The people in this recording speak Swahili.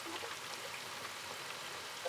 Juwa iko makali leo